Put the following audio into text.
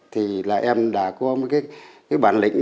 thì là em đã có một cái bản lĩnh